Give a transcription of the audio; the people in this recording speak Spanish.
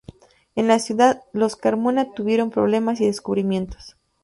En la ciudad, los Carmona tuvieron "problemas y descubrimientos".